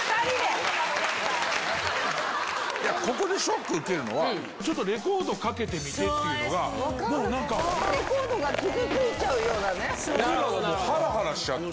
ここでショック受けるのは、ちょっとレコードかけてみてっていうのが、レコードが傷ついちゃうようはらはらしちゃって。